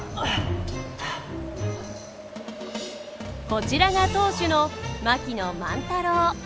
こちらが当主の槙野万太郎。